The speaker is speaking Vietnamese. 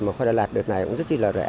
mà khoa đà lạt đợt này cũng rất là rẻ